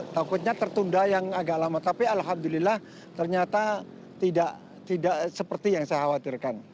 takutnya tertunda yang agak lama tapi alhamdulillah ternyata tidak seperti yang saya khawatirkan